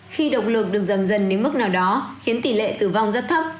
khi động lực được giảm dần đến mức nào đó khiến tỷ lệ tử vong rất thấp